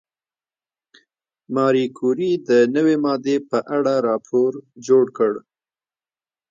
ماري کوري د نوې ماده په اړه راپور جوړ کړ.